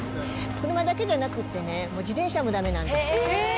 車だけじゃなくってね、自転車もだめなんです。